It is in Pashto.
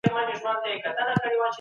ایا نوي کروندګر پسته پروسس کوي؟